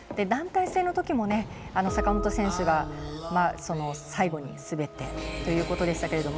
団体戦のときも坂本選手が最後に滑ってということでしたが。